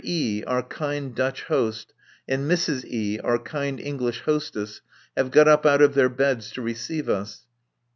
E., our kind Dutch host, and Mrs. E., our kind English hostess, have got up out of their beds to receive us.